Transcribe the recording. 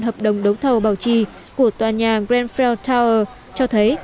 hợp đồng đấu thầu bảo trì của tòa nhà grenfell tower cho thấy